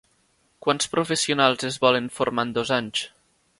Quants professionals es volen formar en dos anys?